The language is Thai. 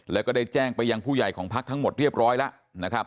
แล้วก็ได้แจ้งไปยังผู้ใหญ่ของพักทั้งหมดเรียบร้อยแล้วนะครับ